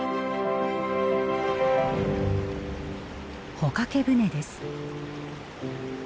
帆掛け船です。